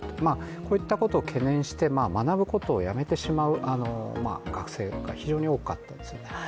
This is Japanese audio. こういったことを懸念して学ぶことをやめてしまう学生というのが非常に多かったんですね。